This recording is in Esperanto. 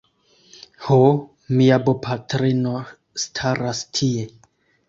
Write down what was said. Ho... mia bopatrino staras tie